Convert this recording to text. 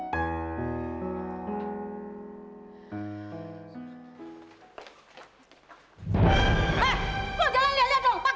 karena bicaranya telling ayah anda pun sudah demographics